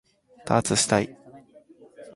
ダーツしたい